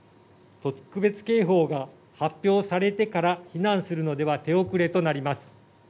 特別警報が発表されてから避難するのでは手遅れとなります。